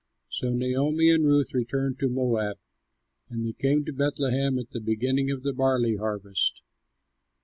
So Naomi and Ruth returned from Moab; and they came to Bethlehem at the beginning of the barley harvest.